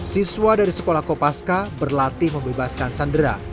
siswa dari sekolah kopaska berlatih membebaskan sandera